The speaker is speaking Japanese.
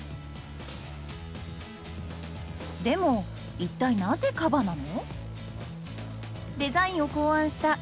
でも一体なぜカバなの？